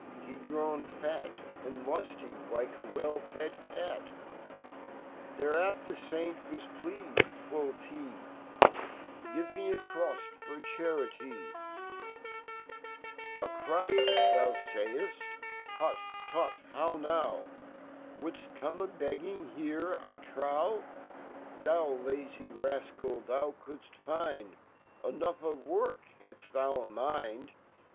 He^d grown fat And lufly, likeawell fed cat ^Thereat fhe5aintwaj pleafedjquofhhe, Give me a crufl ,for Charity !" *A crufl, fhou faya? Hut.tut ! J V/uldft come a begging here? I trow, Thou lazy rafcal , 5\oucouldft find Enough of work , had/I fhou a mind